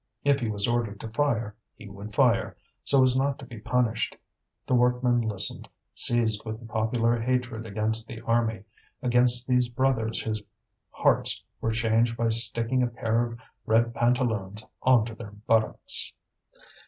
If he was ordered to fire, he would fire, so as not to be punished. The workman listened, seized with the popular hatred against the army against these brothers whose hearts were changed by sticking a pair of red pantaloons on to their buttocks.